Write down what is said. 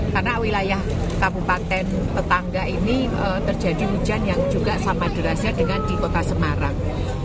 karena wilayah kabupaten tetangga ini terjadi hujan yang juga sama derasnya dengan di kota semarang